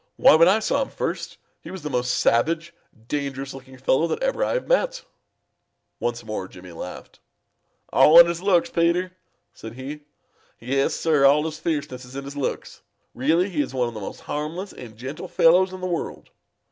"Why, when I saw him first, he was the most savage, dangerous looking fellow that ever I have met." Once more Jimmy laughed. "All in his looks, Peter," said he. "Yes, Sir, all his fierceness is in his looks. Really he is one of the most harmless and gentle fellows in the world.